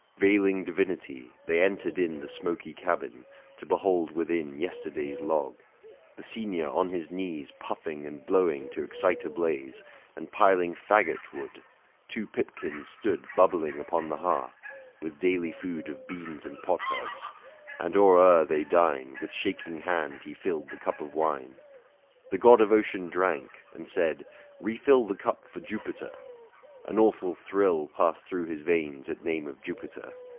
Veiling divinity, they entered in The smoky cabin, to behold within Yesterday's log ; the senior on his knees, Puffing and blowing to excite a blaze, 575 And piling faggot wood ; two pipkins stood Bubbling upon the hearth, with daily food Of beans and potherbs : and or e'er they dine, With shaking hand he filled the cup of wine ; The God of Ocean drank, and said, " Refill 580 The cup for Jupiter." An awful thrill Passed thro' his veins at name of Jupiter.